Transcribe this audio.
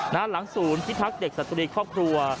นะฮะหลังศูนย์ที่ทักเด็กสตรีครอบครัว